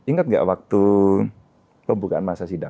ingat gak waktu pembukaan masa silam